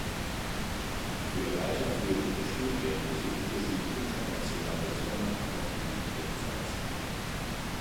Für weiterführende Studien besuchte sie die Internationale Sommerakademie in Salzburg.